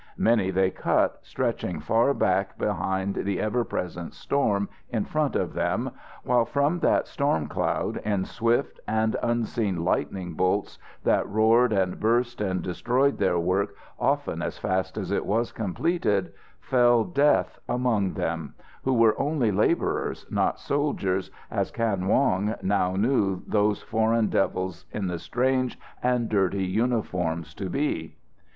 Many they cut, stretching far back behind the ever present storm in front of them, while from that storm cloud, in swift and unseen lightning bolts that roared and burst and destroyed their work often as fast as it was completed, fell death among them, who were only labourers, not soldiers, as Kan Wong now knew those Foreign Devils in the strange and dirty uniforms to be.